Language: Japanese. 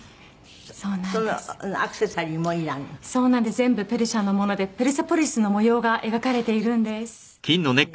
全部ペルシャのものでペルセポリスの模様が描かれているんです。